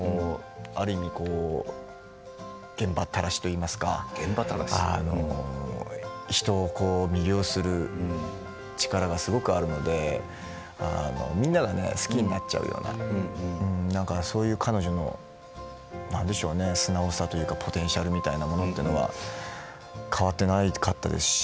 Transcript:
ある意味現場ったらしていいますか人を魅了する力がすごくあるのでみんなが好きになっちゃうようなそういう彼女の何でしょうね、素直さというかポテンシャルみたいなものは変わっていなかったですし。